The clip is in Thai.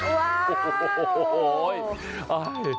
ว้าว